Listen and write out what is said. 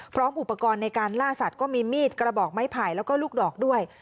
พร้อมอุปกรณ์ในการล่าสัตว์ก็มีมีดกระบอกไม้ไผ่แล้วก็ลูกดอกด้วย